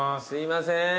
すいません。